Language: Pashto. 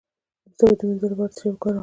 د سږو د مینځلو لپاره باید څه شی وکاروم؟